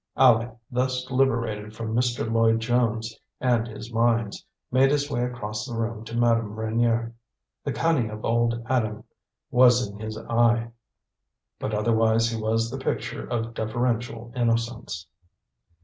Aleck, thus liberated from Mr. Lloyd Jones and his mines, made his way across the room to Madame Reynier. The cunning of old Adam, was in his eye, but otherwise he was the picture of deferential innocence.